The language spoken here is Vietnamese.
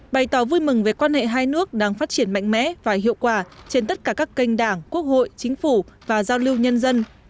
bày tỏ vui mừng về quan hệ hai nước đang phát triển mạnh mẽ và hiệu quả trên tất cả các kênh đảng quốc hội chính phủ và giao lưu nhân dân